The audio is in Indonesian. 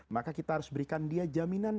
maka kita harus berikan dia jaminan